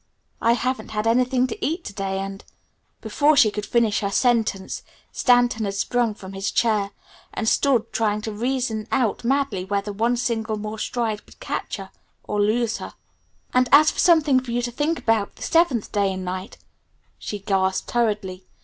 I haven't had anything to eat to day; and " [Illustration: "What?" cried Stanton, plunging forward in his chair] Before she could finish the sentence Stanton had sprung from his chair, and stood trying to reason out madly whether one single more stride would catch her, or lose her. "And as for something for you to think about the seventh day and night," she gasped hurriedly.